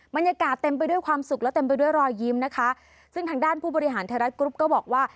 บรรยากาศเต็มไปด้วยความสุขและเต็มไปด้วยรอยยิ้มนะคะซึ่งทางด้านผู้บริหารไทยรัฐกรุ๊ปก็บอกว่า